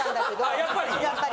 やっぱり。